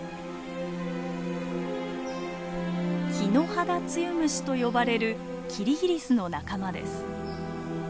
キノハダツユムシと呼ばれるキリギリスの仲間です。